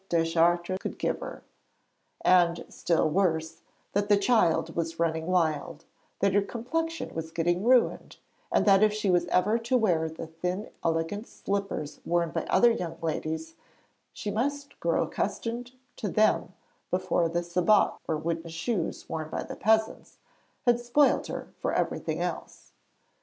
Deschartres could give her, and, still worse, that the child was running wild, that her complexion was getting ruined, and that if she was ever to wear the thin elegant slippers worn by other young ladies, she must grow accustomed to them before the sabots, or wooden shoes worn by the peasants, had spoilt her for everything else.